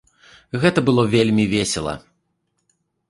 Гэта было вельмі весела.